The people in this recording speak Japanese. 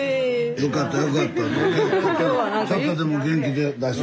よかったよかった。